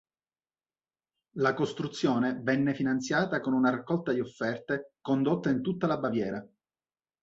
La costruzione venne finanziata con una raccolta di offerte condotta in tutta la Baviera.